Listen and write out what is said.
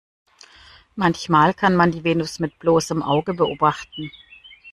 Manchmal kann man die Venus mit bloßem Auge beobachten.